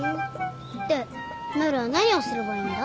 でなるは何をすればいいんだ？